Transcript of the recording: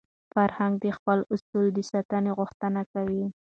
فرهنګ د خپل اصل د ساتني غوښتنه کوي.